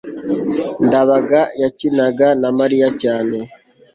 ndabaga yakinaga na mariya cyane